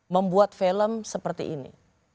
membuat film seperti ini